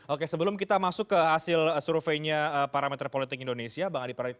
oke sebelum kita masuk ke hasil surveinya parameter politik indonesia bang adi pradit